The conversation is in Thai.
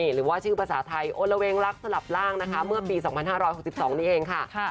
หรือว่าชื่อภาษาไทยโอละเวงรักสลับล่างนะคะเมื่อปี๒๕๖๒นี้เองค่ะ